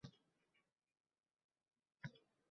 Tog’lar bag’ridan